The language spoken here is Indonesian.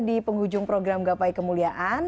di penghujung program gapai kemuliaan